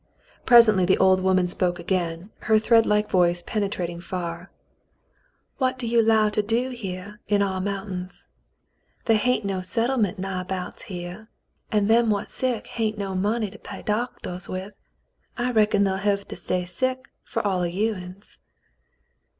Presently the old w^oman spoke again, her threadlike voice penetrating far. "What do you 'low to do here in ouah mountains? They hain't no settlement nighabouts here, an* them what's sick hain't no money to pay doctahs with. I reckon they'll hev to stay sick fer all o' you uns."